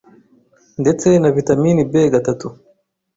ndetse na vitamin B gatatu